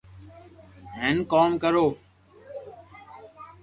ھين ڪوم ڪرو